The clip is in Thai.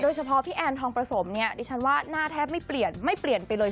ดิฉันว่าหน้าแทบไม่เปลี่ยนไม่เปลี่ยนไปเลย